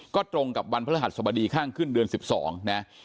ก็ตรงกับวันพระรหัสสบดีข้างขึ้นเดือน๑๒นะ